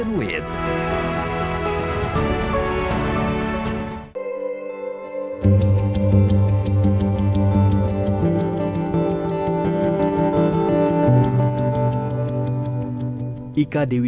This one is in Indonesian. kalau sudah mempelajari kabupaten ini